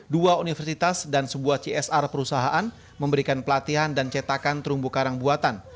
dua universitas dan sebuah csr perusahaan memberikan pelatihan dan cetakan terumbu karang buatan